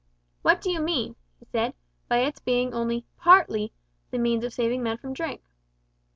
"What do you mean," he said, "by its being only `partly' the means of saving men from drink?"